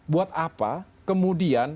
buat apa kemudian